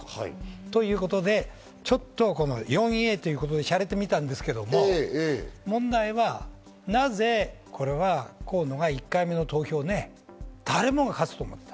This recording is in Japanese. ということで、ちょっと４Ａということで、しゃれてみたんですけど、問題はなぜ河野が１回目の投票、誰もが勝つと思った。